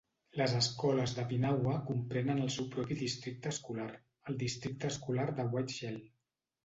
Les escoles de Pinawa comprenen el seu propi districte escolar, el Districte Escolar de Whiteshell.